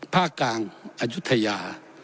ภาคกลางอายุทยา